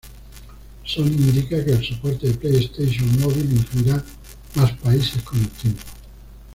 Sony indica que el soporte de PlayStation Mobile incluirá más países con el tiempo.